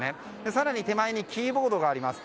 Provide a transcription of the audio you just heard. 更に手前にキーボードがあります。